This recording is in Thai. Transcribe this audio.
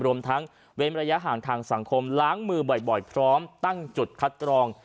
รวมทั้งเว้นระยะห่างทางสังคมล้างมือบ่อยพร้อมตั้งจุดคัดกรอง